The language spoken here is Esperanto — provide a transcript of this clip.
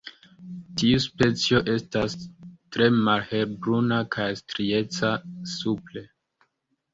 Tiu specio estas tre malhelbruna kaj strieca supre.